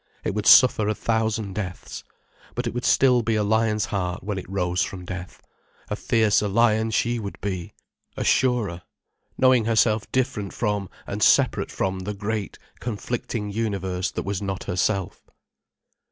It would suffer a thousand deaths, but it would still be a lion's heart when it rose from death, a fiercer lion she would be, a surer, knowing herself different from and separate from the great, conflicting universe that was not herself.